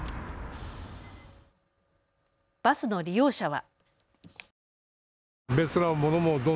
バスの利用者は。